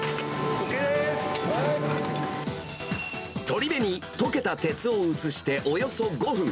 取鍋に溶けた鉄を移しておよそ５分。